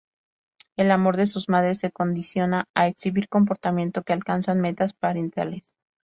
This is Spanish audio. El amor de sus madres se condiciona a exhibir comportamientos que alcanzan metas parentales".